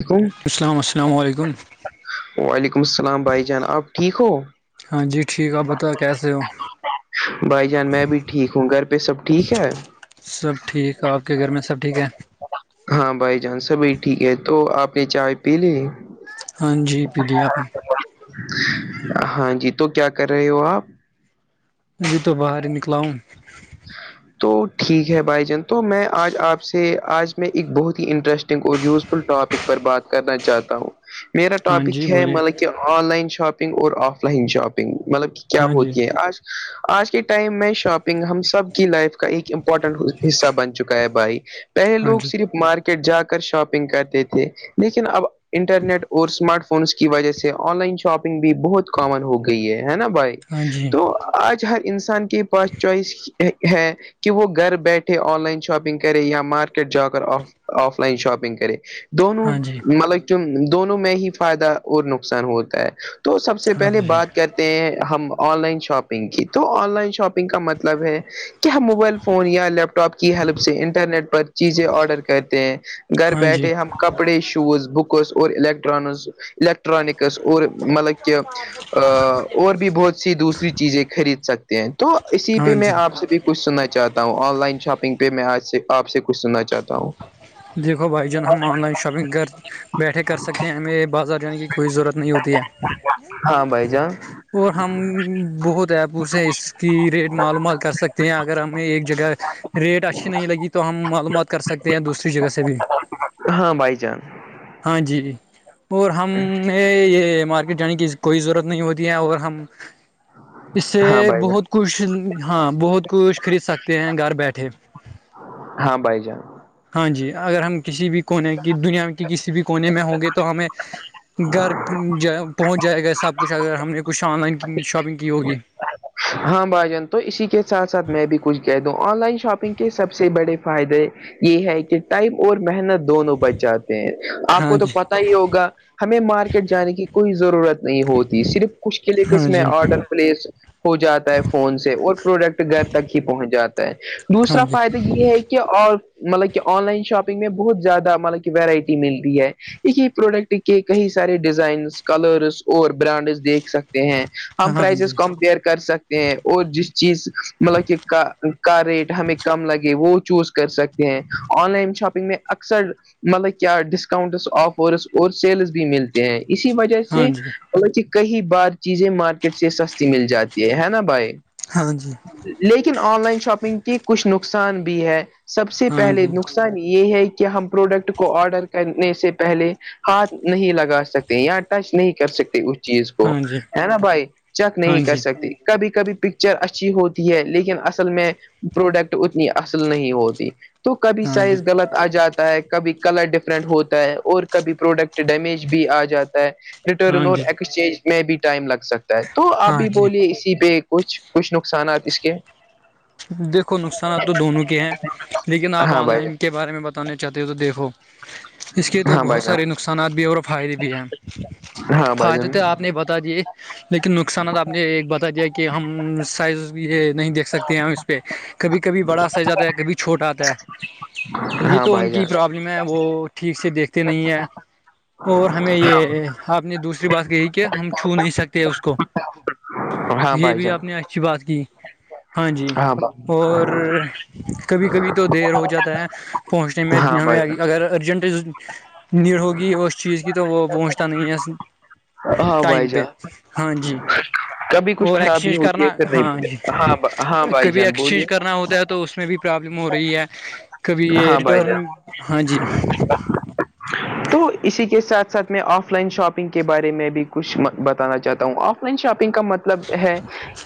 وعلیکم السلام السلام علیکم وعلیکم السلام بھائی جان آپ ٹھیک ہو ہاں جی ٹھیک آپ بتاؤ کیسے ہو بھائی جان میں بھی ٹھیک ہوں گھر پہ سب ٹھیک ہے سب ٹھیک آپ کے گھر میں سب ٹھیک ہے ہاں بائی جانس سبھی ٹھیک ہے تو آپ نے چائے پی لی ہاں جی پیلییا [unintelligible] ہاں جی تو کیا کر رہے ہو آپ اب تو باہر ہی نکلاؤں ہاں [inaudible] تو ٹھیک ہے بھائی جان تو میں آج آپ سے آج میں ایک بہت ہی انٹرسٹنگ اور یوزفل ٹاپک پر بات کرنا چاہتا ہوں میرا ہاں جی ٹاپک ہے بولیے مل آن لائن شاپنگ اور آف لائن شاپنگ مطلب کہ کیا ہاں جی ہوتی ہے آج آج کے ٹائم میں شاپنگ ہم کی لائف کا ایک امپورٹنٹ حصہ بن چکا ہے بھائی پہلے ہاں لوگ جی صرف مارکی جا کر شاپنگ کرتے تھے لیکن اب انٹرنیٹ اور اسمارٹ فون فون کی وجہ سے آن لائن شاپنگ بھی بہت کامن ہو گئی ہے نا بھائی ہاں جی تو آج ہر انسان کے پاس چوائس ہے کہ وہ گھر بیٹھے آن لائن شاپنگ کرے یا مارکیٹ جا کر offline offline shopping کرے دونوں ہاں جی مطلب کی دونوں میں ہی فائدہ اور نقصان ہوتا ہے تو سب سے ہاں پہلے جی بات کر ہم آن لائن شاپنگ کی تو آن لائن شاپنگ کا مطلب ہے کیا موبائل فون یا لیپ ٹاپ کی ہیلپ سے انٹرنیٹ پر چیزیں آرڈر کرتے ہیں گھر ہاں جی بیٹھے ہم کپڑے شوز بکس اور الیکٹرانس ایکٹرانکس اور مطلب کہہ اور بھی بہت سی دوسری چیزیں خرید سکتے ہیں تو اسی ہاں پہ میں جی آپ سے بھی کچھ سننا چاہتا ہوں آن لائن شاپنگ پہ میں آج سے آ سے کچھ سنا چاہتا ہوں دیکھو بھائی جان ہم آن لائن شاپنگ کر بیٹھے کر سکتے ہیں ہمیں بازار جانے کی کوئی ضرورت نہیں ہوتی ہے ہاں بھائی جان اور ہم بہت ایپوں سے اس کی ریٹ معلومات کر سکتے ہیں اگر ہمیں ایک جگہ ریٹ اچھی نہیں لگی تو ہم معلومات کر سکتے ہیں دوسری جگہ سے بھی ہاں بھائی جان ہاں جی اور ہمیں یہ مارکیٹ جانے کی کوئی ضرورت نہیں ہوتی ہے اور ہم اس ہاں سے بھائی جان بہت کچھ ہاں بہت کچھ خرید سکتے ہیں گھر بیٹھے ہاں بائی جان ہاں جی اگر ہم کسی بھی کونے کی دنیا کی کسی بھی کونے میں ہوں گے تو ہمیں گھر جائے پہنچ جائے گا سب کچھ اگر ہم نے کچھ آن لائن شاپنگ کی ہوگی ہاں بھائی جان تو اسی کے ساتھ ساتھ میں بھی کچھ کہہ دوں آن لائن شاپنگ کے سب سے بڑے فائدے یہ ہے کہ ٹائم اور محنت دونوں بچاتے ہیں آپ ہاں کو تو جی پتا ہی ہوگا ہمیں مارکیٹ جانے کی کوئی ضرورت نہیں ہوتی صرف کچش کے لے کے ہاں اس میں جی آرڈر پلیس ہو جاتا ہے فون سے اور پروڈکٹ گھر تک ہی پہنچ جاتا ہے ہاں دوسرا جی فائدہ یہ ہے کہ اور مطلب کہ آن لائن شاپنگ میں بہت زیادہ مطلب کہ ویرائٹی مل رہی ہے ایک یہ پروڈکٹ کے کئی سارے ڈیزائنس کلرس اور برانڈس دیکھ سکتے ہیں ہم ہاں پرائزز جی کمپیئر کر سکتے ہیں اور جس چیز مطلب کہ کا کا ریٹ ہمیں کم لگے وہ چوز کر سکتے ہیں آن لائن شاپنگ میں اکصر مطلب کیا ڈسکاؤنٹس آفرس اور سیلز بھی مل ہیں اسی وجہ ہاں سے جی کئی بار چیزیں مارکیٹ سے سستی مل جاتی یہ ہے نا بھائی ہاں جی لیکن آن لائن شاپنگ کے کچھ نقصان بھی ہے سب سے ہاں پہلے جی نقصان یہ ہے کہ ہم پروڈکٹ کو آڈر کرنے سے پہلے ہاتھ نہیں لگا سکتے یااں ٹچ نہیں کر سکتے چیز کو ہاں جی ہے نا بھائی چیک ہاں نہیں کر جی سکتے کبھی کبھی پکچر اچھی ہوتی ہے لیکن اصل میں پروڈکٹ اتنی اصل نہیں ہوتی تو کبھی ہاں سائز جی غلط آ جاتا ہے کبھی کلر ڈفرینٹ ہوتا ہے اور کبھی پروڈکٹ ڈیمیج بھی آ جاتا ہے ہاں ریٹرن اور جی ایکسچینج میں بھی ٹائم لگ سکتا ہے تو آپ ہاں بھی جی بولیے اس کسی پہ کچھ کچھ نقصانات اس کے دیکھو نقصانات تو دونوں کے ہیں لیکن آپ ہاں آن بھائی لائن جان کے بارے میں بتانے چاہتے ہو تو دیکھو اس کے تو ہاں بہت سارے نقصانات بھی اور فائدے بھی ہیں ہاں بائی فائدے جن آپ نے بتا دیے لیکن نقصانات آپ نے بتا دیا کہ ہم سائز بھی یہ نہیں دیکھ سکتے ہیں اس پہ کبھی کبھی بڑا سجاتا ہے کبھی چھوٹ آتا ہے یہ ہاں تو ان بھائی کی جان پرابلم فلم ہے وہ ٹھیک سے دیکھتے نہیں ہیں اور ہمیں ہاں بھائی جان یہ آپ نے دوسری بات کہی کہ ہم چھو نہیں سکتے ہیں اس کو ہاں یہ بھائی بھی جان آپ نے اچھی بات کی ہاں جی اور کبھی کبھی تو دیر ہو جاتا ہے پہنچنے میں ہاں ہمیں بھائی آ اگر ارجنٹ نیڈ ہوگی اس چیز کی تو وہ پہنچتا نہیں ہے ہاں بھائی ٹائم پہ جان ہاں جی کبھی کچھ اور خرابی ایککسچینج ہوتی ہے کرنا پھر ہاں نہیں جی ہاں ہاں بھائی کبھی جان بولیے ایکسچینج کرنا ہوتا ہے تو اس میں بھی پرابلم ہو رہی ہے کبھی یہ ہاں بھائی جان ریٹرن ہاں جی تو اسی کے ساتھ ساتھ میں آف لائن شاپنگ کے بارے میں بھی کچھ بتانا چاہتا ہوں آ شاپنگ کا مطلب ہے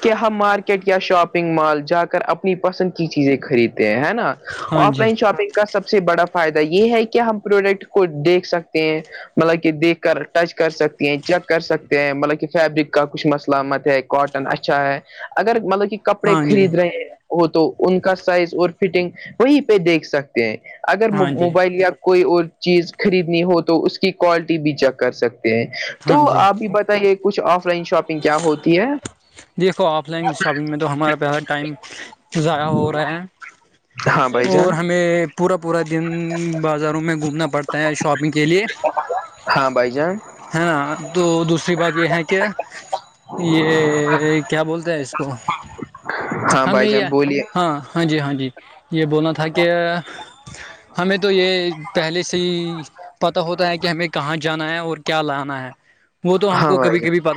کہ ہم مارکیٹ ٹ یا شاپنگ مال جا کر اپنی پسند کی چیزیں خریدتے ہیں ہے نا ہاں آف جی لائن شاپنگ کا سب سے بڑا فائدہ یہ ہے کہ ہم پروڈکٹ کو دیکھ سکتے ہیں مطلب کہ دیکھ کر ٹچ کر سکتی ہیں چیک کر سکتے ہیں مطلب کہ فیبرک کا کچھ مسل مت ہے کاٹن اچھا ہے اگر مطلب کہ کپڑے ہاں جی خرید رہے ہیں وہ تو ان کا سائز اور فٹنگ وہیں پہ دیکھ سکتے ہیں اگر ہاں جی موبائل یا کوئی اور چیز خریدنی ہو تو اس کی کوالٹی بھی چیک کر سکتے ہیں تو ہاں جی آپ بھی بتائیے کچھ آف لائن شاپنگ کیا ہوتی ہے دیکھو آف لائن شاپنگ میں تو ہمارا پیسا ٹائم ضائع ہو رہا ہاں بھائی ہیں جان اور ہمیں پورا پورا دن بازاروں میں گھومنا پڑتا ہے شاپنگ کے لیے ہاں بائی جان ہے تو دوسری بات یہ ہے کہ یہ کیا بولتے ہیں اس کو ہاں ہمیں بھائی یہ جان بولیے ہاں ہاں جی ہاں جی یہ بولنا تھا کہ ہمیں تو یہ پہلے سے ہی پتہ ہوتا ہے کہ ہمیں کہاں جانا ہے اور کیا لانا ہے وہ تو ہم ہاں کو کبھی کبھی پ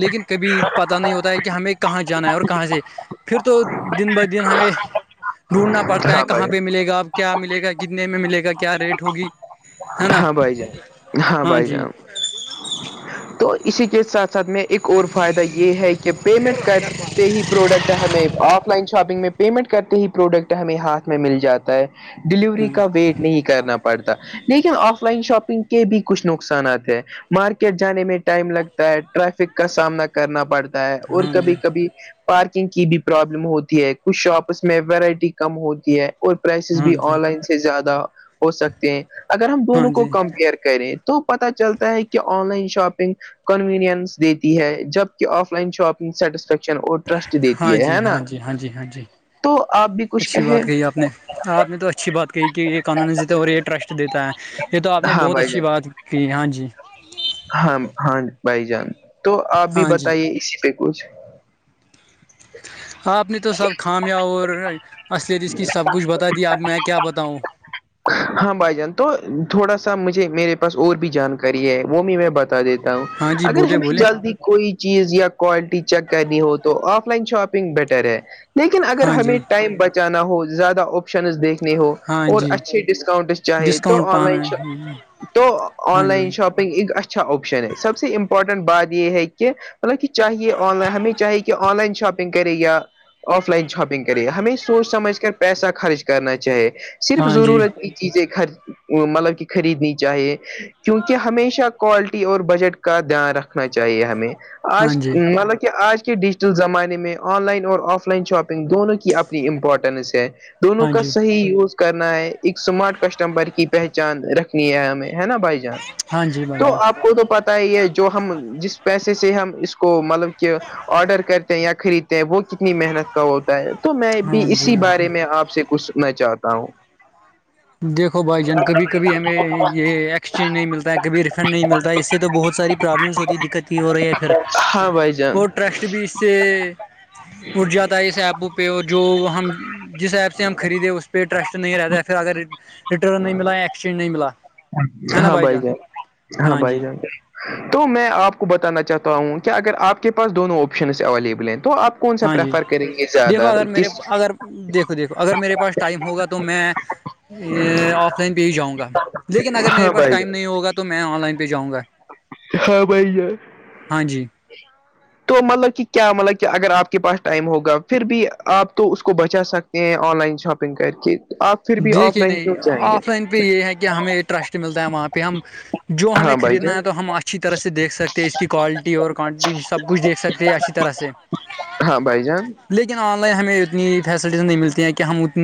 لیکن کبھی پتا نہیں ہوتا ہے کہ ہمیں کہاں جانا ہے اور کہاں سے پھر تو دن بہ دن ہمیں ڈھونڈنا بھائی پڑتا ہے ہاں کہاں بھائی پہ ملے گا اب کیا ملے گا کتنے میں ملے گا کیا ریٹ ہوگی ہے نا ہاں بھائی جان ہاں بھائی جی جان ہاں تو اسی کے ساتھ ساتھ میں ایک اور فائدہ یہ ہے کہ پیمنٹ کا ہی پروڈکٹ ہمیں آف لائن شاپنگ میں پیمنٹ کرتے ہی پروڈکٹ ہمیں ہاتھ میں مل جاتا ہے ڈیلیوری کا ویٹ نہیں کرنا پڑ پڑتا لیکن آف لائن شاپنگ کے بھی کچھ نقصانات ہیں مارکیٹ جانے میں ٹائم لگتا ہے ٹریفک کا سامنا کرنا پڑتا ہے اور ہاں کبھی کبھی پارکنگ کی بھی پرابلم ہوتی ہے کچھ شاپس میں وورائٹی کم ہوتی ہے اور پرائسیز ہاں بھی جی آن لائن سے زیادہ ہو سکتے ہیں اگر ہم ہاں دونوں جی ہاں کو جی کمپیئر کریں تو پتا چلتا ہے کہ آن لائن شاپنگ کنویننس دیتی ہے جب کہ آف لائن شاپنگ سیٹسفیکشن اور ٹرسٹ دیتی ہاں ہے ہے جی نا ہاں جی ہاں جی ہاں جی تو آپ بھی کچھ اچھی کہے بات کہی آپ نے آپ نے تو اچھی بات کہی کہ یہ قانونی دیتے اور یہ ٹرسٹ دیتا ہے یہ تو آپ نے ہاں بہت بھائی اچھی بات کہ ہاں جی ہاں ہاں بھائی جان تو آپ بھی ہاں جی بتائیے اسی پہ کچھ آپ نے تو سب خامیاب اور اصلت اس کی سب کچھ بتا دیا اب میں کیا بتاؤں ہاں بھائی جان تو تھوڑا سا مجھے میرے پاس اور بھی جانکاری ہے وہ بھی میں بتا دیتا ہوں ہاں جی اگر بولے ہمیں بولے جلدی کوئی چیز یا کوالٹی چیک کرنی ہو تو آف لائن شاپنگ بیٹر ہے لیکن اگر ہاں جی ہمیں ٹائم بچانا ہو زیادہ آپشنز دیکھ نہیں ہو ہاں اور جی اچھے ڈسکاؤنٹ چاہے تو ڈسکاؤنٹ آن لائن پانا شاپ ہے تو آن ہاں لائن جی شاپ ایک اچھا آپشن ہے سب سے امپورٹنٹ بات یہ ہے کہ مط کہ چاہے آن لائن ہمیں چاہے کہ آن لائن شاپنگ کرے یا آف لائن شاپنگ کرے ہمیں سوچ سمجھ کر پیسہ خرچ کرنا چاہیے صرف ہاں جی ضرورت کی چیزیں مطلب کہ خریدنی چاہیے کیونکہ ہمیشہ کوالٹی اور بجٹ کا دھیان رکھنا چاہیے ہمیں ہاں آج جی مطلب کہ آج کی ڈج زمانے میں آن لائن اور آف لائن شاپنگ دونوں کی اپنی امپورٹنس ہے دونوں ہاں کا جی صحی یوز کرنا ہے ایک سمارٹ کسٹمر کی پہچان رکھنی ہے ہمیں ہے نا بھائی جی ہاں جی بھائی تو جان آپ کو تو پتا ہے یہ جو ہم جس پیسے سے ہم اس کو مطلب کہ آڈر کرتے ہیں یا خریدتے ہیں وہ کتنی محنت کا ہوتا ہے تو میں ہاں بھی جی اسی ہاں جی بارے میں آپ سے کچھ سنا چاہتا ہوں دیکھو بھائی جان کبھی کبھی ہمیں یہ ایکسچینج نہیں ملتا ہے کبھی ریفنڈ نہیں ملتا ہے اس سے تو بہت ساری پرابلمس ہوتی ہے دقت کی ہو رہی ہے پھر ہاں بھائی جان اور ٹرسٹ بھی اس سے اٹھ جاتا ہے اس ایپو پہ اور جو تو ہم جس ایپ سے ہم خریدیں اس پہ ٹرسٹ نہیں رہتا پھر اگر ریٹرن نہیں ملا ایکسچینج نہیں ملا ہاں بھائی جان ہاں بائی جانتے تو میں آپ کو بتانا چاہتا ہوں کہ اگر آپ کے پاس دونوں آپشنس اویلیبل ہیں تو آپ کے کون سا ہاں جی پرریفر کریں گے دیکھو زیادہ اگر میرے کس اگر دیکھو دیکھو اگر میرے پاس ٹائم ہوگا تو میں آف لائن بھی ہی جاؤں گا لیکن اگر میرے ہاں پاس بھائی ٹائم جان ہوگا تو میں آن لائن پہاؤں گا ہاں بائی جوائے ہاں جی تو مطلب کہ کیا مطلب کہ اگر آپ کے پاس ٹائم ہوگا پھر بھی آپ تو اس کو بچا سک یہ آن لائن شاپنگ کر کے آپ پھر بھی آف دیکھیے لائن نہیں آف لائن پہ یہ ہے کہ ہمیں ٹرسٹ ملتا ہے وہاں پہ ہم جو کیوں؟ ہمیں ہاں بھائی خریدنا ہے تو ہم اچھی طرح سے دیکھ سکتے ہیں اس کی کوالٹی اور کوانٹیٹی بھی سب کچھ دیکھ سکتے ہیں اچھی طرح سے جان ہاں بھائی جان لیکن آن لائن ہمیں اتنی فیسلٹیز نہیں ملتی ہیں کہ ہم ات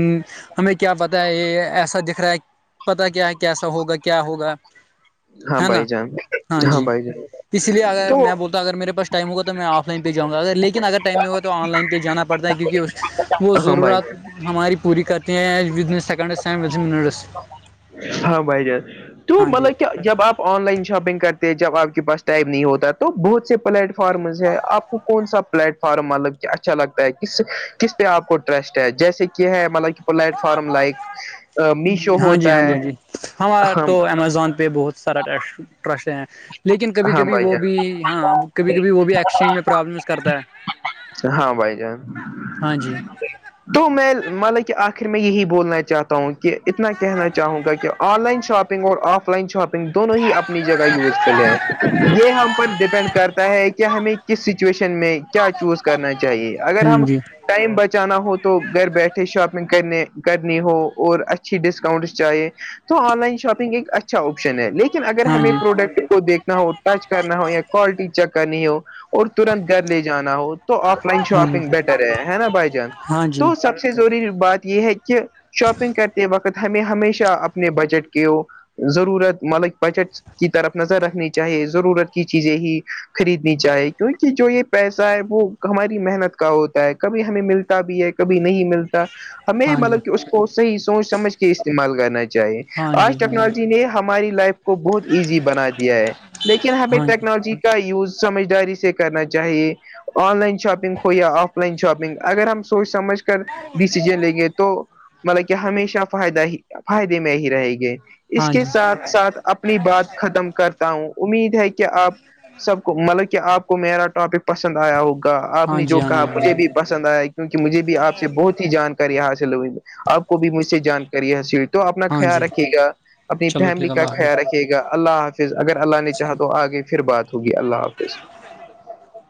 ہمیں کیا پتا ہے یہ ایسا دکھ رہا ہے پتا کیا ہے کیسا ہوگا کیا ہوگا ہاں ہے نا بھائی جان ہاں جی بھائی جان اس لیے اگر تو میں بول اگر میرے پسٹائم ہوا تو میں آف لائنہاؤںا لن اگر ٹائ نہیں ہوا تو آن لائن پہ جاناڑتا ہے کیونکہ اس وہ ہاں بھائی ضرورت ہماری پوری کرتی ہیں کرتے ہیں بزنس سیکنڈ ہاں بھایی جان تو مطلب کہ جب آپ آن لائن شاپنگ کرتے ہیں جب آپ کے پاس ٹائم نہیں ہوتا تو بہت سے پلیٹ فارمز ہے آپ کو کون سا پلیٹ فارم مطلب کہ اچھا لگتا ہے کس کس پہ آپ کو ٹرسٹ ہے جیسے کہ ہے مطلب پلٹ فارم لائک میشو ہو ہاں جی ہاں جی ہاں جی ہمارے تو امیزون پہ بہت سارا ٹ ٹرسٹ ہیں لیکن کبھی ہاں کبھی وہ بھی ہاں کبھی کبھی وہ بھی ایکسچینج میں پرابلمس کرتا ہے ہاں بھائی جان ہاں جی تو میں مطلا کہ آخر میں یہی بولنا چاہتا ہوں کہ اتنا کہنا چاہوں گا کہ آن لائن شاپنگ اور آف لائن شاپنگ دونوں ہی اپنی جگہ یوزفل ہے یہ ہم پر ڈپینڈ کرتا ہے کہ ہمیں کس سچویشن میں کیا چوز کرنا چاہیے اگر ہم ہوں جی ٹائم بچانا ہو تو گھر بیٹھے شاپنگ کرنے کرنی ہو اور اچھی ڈسکاؤنٹس چاہیے تو آن لائن شاپنگ ایک اچھا آپشن ہے لیکن اگر ہاں ہمیں جی پروڈکٹ دیکھنا ہو ٹچ کرنا ہو یا کوالٹی چیک کرنی ہو اور ترنت گھر لے جانا ہو تو آپ لائن ہاں جی شاپنگ بیٹر ہے ہے نا بھائی جان ہاں جی تو سب سے سے ضروری بات یہ ہے کہ شاپنگ کرتے وقت ہمیں ہمیشہ اپنے بجٹ کے ہو ضرورت ملک بجٹ کی طرف نظر رکھنی چاہیے ضرورت کی چیزیں ہی خریدنی چاہی کیونکہ جو یہ پیسہ ہے وہ ہماری محنت کا ہوتا ہے کبھی ہمیں ملتا بھی ہے کبھی نہیں ملتا ہمیں ہاں جی مطلب کہ اس کو صحیح سوچ سمجھ کے استعمال کرنا چاہیے ہاں چاہ آج جی ہاں جی ٹیکنالوجی نے ہماری لائف کو بہت ایزی بنایا دیا ہے لیکن ہمیں ہاں جی ٹیکنالوجی کا یوز سمجھداری سے کرنا چاہیے آن لائن شاپنگ ہو یا آف لائن شاپنگ اگر ہم سوچ سمجھ کے ڈیسیزن لیں گے تو مطلب کہ ہمیشہ فائدہ ہی فائدے میں ہی رہے گے اس ہاں کے جی ساتھ ساتھ اپنی بات ختم کرتا ہوں امید ہے کہ آپ سب کو مطلب کہ آپ میرا ٹاپک پسند آیا ہوگا آپ ہاں نے جو جی کہا ہاں جی ہاں جی مجھے بھی پسند آیا کیونکہ مجھے بھی آپ سے بہت ہی جانکاری حاصل ہوئی آپ کو بھی مجھ سے جانکاری حاصل تو اپنا ہاں خیال جی رکھھیے گا اپنی چلو فیملی ٹھیک ہے کا اللہ حافظ خیال رکھے گا اللہ حافظ اگر اللہ نے چاہا چلو تو آگے پھر بات ہوگی اللہ حافظ میں تو بہت [inaudible]